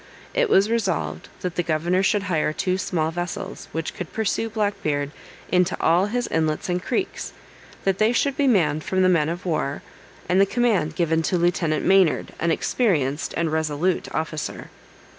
It was resolved that the governor should hire two small vessels, which could pursue Bleak Beard into all his inlets and creeks; that they should be manned from the men of war, and the command given to Lieutenant Maynard, an experienced and resolute officer.